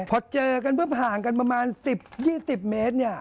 พอเจอกันเพิ่มห่างกันประมาณ๑๐๒๐เมตร